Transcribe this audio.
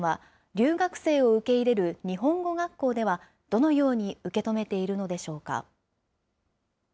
留学生を受け入れる日本語学校では、どのように受け止めているのでしょうか。